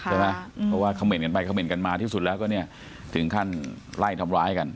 ใช่ไหมเพราะว่าคำเห็นกันไปคำเห็นกันมาที่สุดแล้วก็เนี่ยถึงขั้นไล่ทำร้ายกัน